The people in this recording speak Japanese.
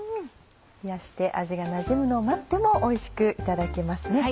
冷やして味がなじむのを待ってもおいしくいただけますね。